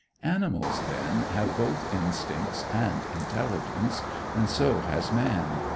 Animals, then, have both instincts and intelligence; and so has man.